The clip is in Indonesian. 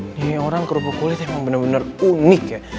ini orang kerupuk kulit emang bener bener unik ya